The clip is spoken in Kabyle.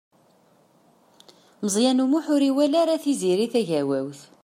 Meẓyan U Muḥ ur iwala ara Tiziri Tagawawt.